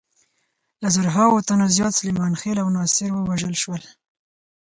له زرهاوو تنو زیات سلیمان خېل او ناصر ووژل شول.